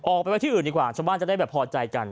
ออกไปไว้ที่อื่นดีกว่าชาวบ้านจะได้แบบพอใจกัน